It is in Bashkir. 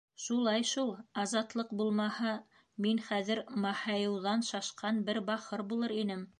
Шулай шул, Азатлыҡ булмаһа, мин хәҙер маһайыуҙан шашҡан бер бахыр булыр инем.